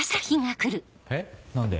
えっ何で？